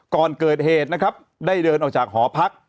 ก่อนเกิดเหตุนะครับได้เดินออกจากหอพัก